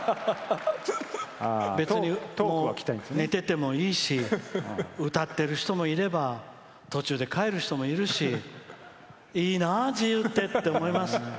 別に、寝ててもいいし歌ってる人もいれば途中で帰る人もいるしいいな、自由ってって思います。